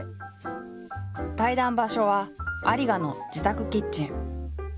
対談場所は有賀の自宅キッチン。